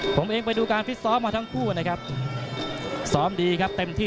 ผมเองไปดูการฟิสซอมมาทั้งคู่นะครับ